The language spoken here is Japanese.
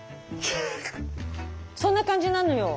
そんな感じなのよ。